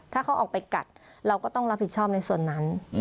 ถ้าเขาออกไปกัดเราก็ต้องรับผิดชอบในส่วนนั้น